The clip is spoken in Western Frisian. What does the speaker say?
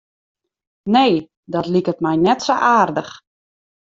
Nee, dat liket my net sa aardich.